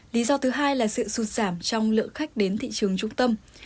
lý do thứ hai là sự sụt giảm trong lượng khách đến thị trường trung tâm